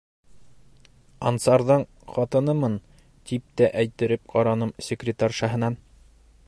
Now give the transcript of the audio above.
Ансарҙың ҡатынымын, тип тә әйттереп ҡараным секретаршаһынан.